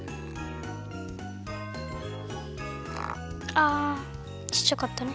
あちっちゃかったね。